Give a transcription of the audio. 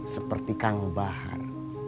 seperti kang bahar